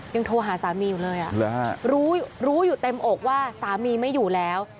ยังโทรหาสามีอยู่เลยรู้รู้อยู่เต็มอกว่าสามีไม่อยู่แล้ว